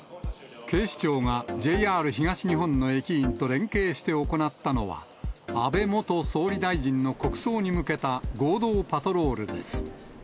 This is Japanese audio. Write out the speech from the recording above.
警視庁がＪＲ東日本の駅員と連携して行ったのは、安倍元総理大臣の国葬に向けた合同パトロールです。